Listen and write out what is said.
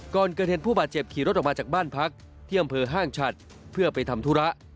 ก่อนเกิดเหตุผู้บาดเจ็บขี่รถออกมาจากบ้านพักที่อำเภอห้างฉัดเพื่อไปทำธุระ